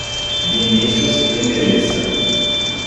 Vinicius e Melissa